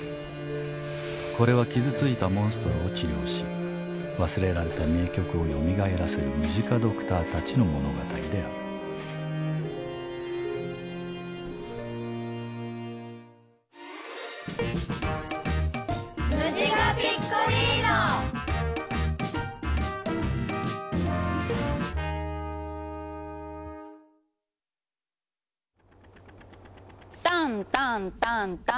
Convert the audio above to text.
これは傷ついたモンストロを治療し忘れられた名曲をよみがえらせるムジカドクターたちの物語であるタンタンタンタン。